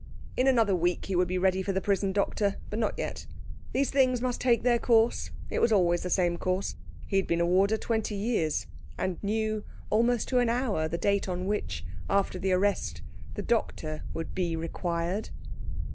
In another week he would be ready for the prison doctor, but not yet. These things must take their course. It was always the same course; he had been a warder twenty years, and knew almost to an hour the date on which, after the arrest, the doctor would be required.